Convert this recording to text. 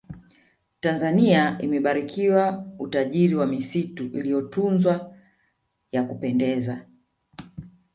tanzania imebarikiwa utajiri wa misitu iliyotunzwa ya kupendeza